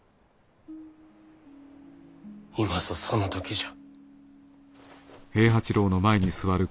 今ぞその時じゃ。